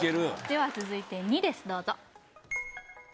では続いて２ですどうぞ